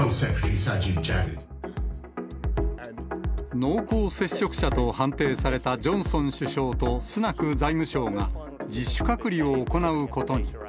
濃厚接触者と判定されたジョンソン首相とスナク財務相が、自主隔離を行うことに。